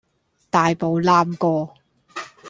大步揇過!